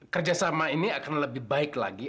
kerjasama ini akan lebih baik lagi